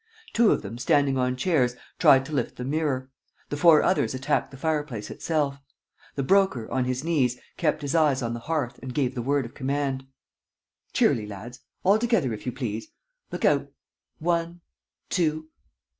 Two of them, standing on chairs, tried to lift the mirror. The four others attacked the fireplace itself. The Broker, on his knees, kept his eyes on the hearth and gave the word of command: "Cheerily, lads! ... Altogether, if you please! ... Look out! ... One, two